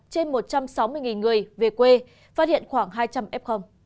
trên một trăm sáu mươi người về quê phát hiện khoảng hai trăm linh f